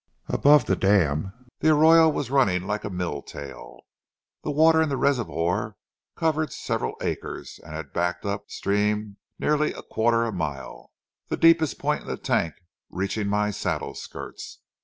Above the dam the arroyo was running like a mill tail. The water in the reservoir covered several acres and had backed up stream nearly a quarter mile, the deepest point in the tank reaching my saddle skirts.